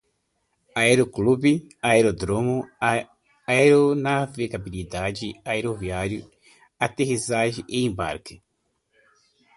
aeroclube, aeródromo, aeronavegabilidade, aeroviário, aterragem, embarque